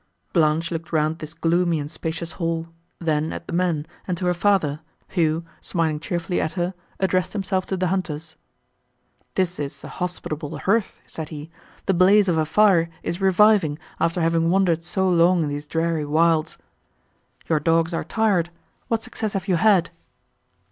Blanche looked round this gloomy and spacious hall; then at the men, and to her father, who, smiling cheerfully at her, addressed himself to the hunters. "This is a hospitable hearth," said he, "the blaze of a fire is reviving after having wandered so long in these dreary wilds. Your dogs are tired; what success have you had?"